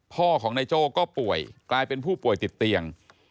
พ่อของนายโจ้ก็ป่วยกลายเป็นผู้ป่วยติดเตียง